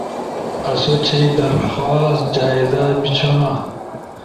آسو چھئی درخواست جائزہ بیچھونا